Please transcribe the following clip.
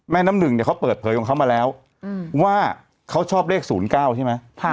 แม่น้ำหนึ่งเนี้ยเขาเปิดเผยของเขามาแล้วอืมว่าเขาชอบเลขศูนย์เก้าใช่ไหม